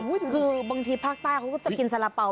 คือบางทีภาคใต้เขาก็จะกินสาระเป๋า